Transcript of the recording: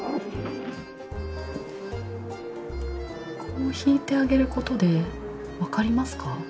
こう引いてあげることで分かりますか？